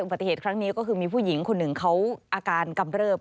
ปฏิเหตุครั้งนี้ก็คือมีผู้หญิงคนหนึ่งเขาอาการกำเริบ